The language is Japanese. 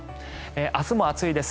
明日も暑いです。